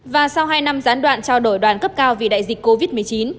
và sau hai năm gián đoạn trao đổi đoàn cấp cao vì đại dịch covid một mươi chín